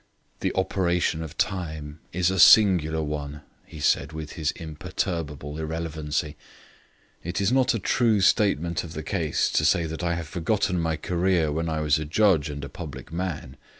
"The operation of time is a singular one," he said with his imperturbable irrelevancy. "It is not a true statement of the case to say that I have forgotten my career when I was a judge and a public man.